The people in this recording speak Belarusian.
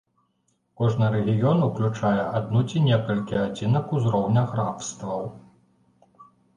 Кожны рэгіён уключае адну ці некалькі адзінак узроўня графстваў.